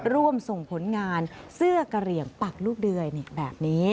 ร่วมส่งผลงานเสื้อกระเหลี่ยงปักลูกเดยแบบนี้